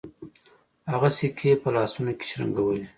هغه سکې په لاسونو کې شرنګولې.